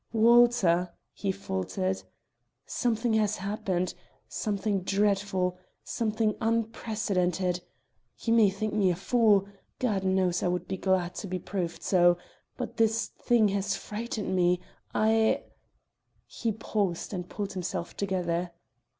"Walter," he faltered, "something has happened, something dreadful, something unprecedented! You may think me a fool God knows I would be glad to be proved so, but this thing has frightened me. I " He paused and pulled himself together.